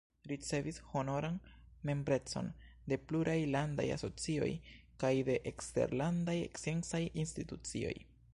Ricevis honoran membrecon de pluraj landaj asocioj kaj de eksterlandaj sciencaj institucioj.